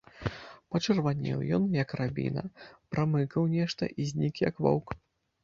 Пачырванеў ён, як рабіна, прамыкаў нешта і знік, як воўк.